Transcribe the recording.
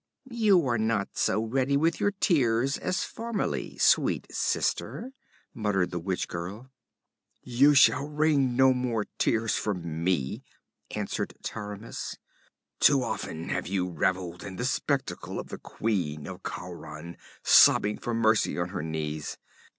'You are not so ready with your tears as formerly, sweet sister,' muttered the witch girl. 'You shall wring no more tears from me,' answered Taramis. 'Too often you have reveled in the spectacle of the queen of Khauran sobbing for mercy on her knees.